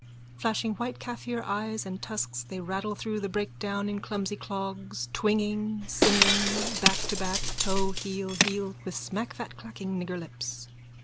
Flashing white Kaffir eyes and tusks they rattle through a breakdown in clumsy clogs, twinging, singing, back to back, toe heel, heel toe, with smackfatclacking nigger lips.)